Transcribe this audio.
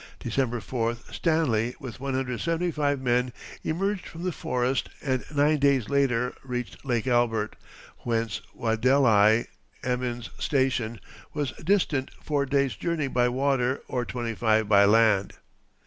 December 4th, Stanley with 175 men emerged from the forest and nine days later reached Lake Albert, whence Wadelai, Emin's station, was distant four days' journey by water, or twenty five by land.